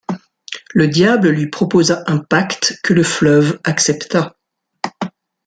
Le diable lui proposa un pacte que le fleuve accepta.